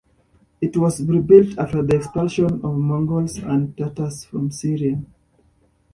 It was rebuilt after the expulsion of the Mongols and Tatars from Syria.